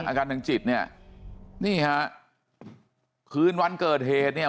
อาการทางจิตเนี่ยนี่ฮะคืนวันเกิดเหตุเนี่ย